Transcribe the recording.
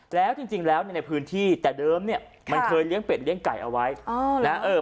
แล้วจริงแล้วเนี่ยในพื้นที่แต่เดิมเนี่ยมันเคยเลี้ยงเป็ดเลี้ยงไก่เอาไว้นะเออ